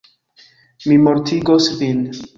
Mi mortigos vin!